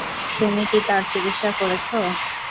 তুমি কি তার চিকিৎসা করেছ?